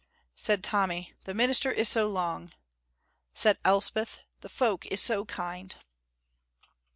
Said Tommy, "The minister is so long!" Said Elspeth, "The folk is so kind!"